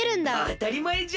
あたりまえじゃ！